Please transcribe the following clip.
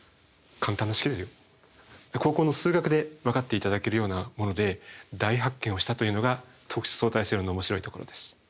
高校の数学でわかって頂けるようなもので大発見をしたというのが特殊相対性理論の面白いところです。